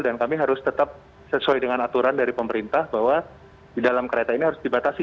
dan kami harus tetap sesuai dengan aturan dari pemerintah bahwa di dalam kereta ini harus dibatasi